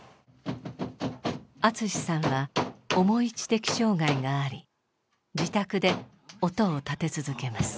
篤志さんは重い知的障害があり自宅で音を立て続けます。